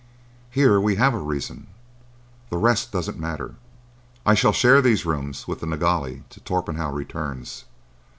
Here we have a reason. The rest doesn't matter. I shall share these rooms with the Nilghai till Torpenhow returns.